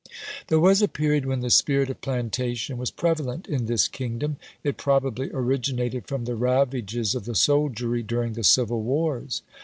There was a period when the spirit of plantation was prevalent in this kingdom; it probably originated from the ravages of the soldiery during the civil wars.